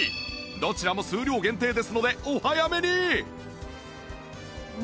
どちらも数量限定ですのでお早めに！